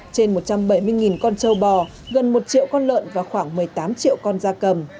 trên một trăm bảy mươi con trâu bò gần một triệu con lợn và khoảng một mươi tám triệu con cây ăn quả